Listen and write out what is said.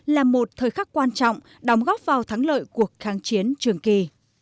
là một thời khắc quan trọng đóng góp vào thắng lợi cuộc kháng chiến trường kỳ